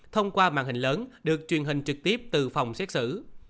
thông qua màn hình lớn được truyền hình trực tiếp từ phòng xét xử